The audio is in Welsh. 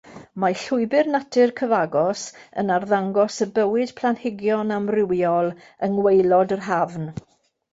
Mae llwybr natur cyfagos yn arddangos y bywyd planhigion amrywiol yng ngwaelod yr hafn.